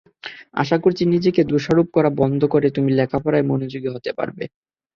আশা করছি নিজেকে দোষারোপ করা বন্ধ করে তুমি লেখাপড়ায় মনোযোগী হতে পারবে।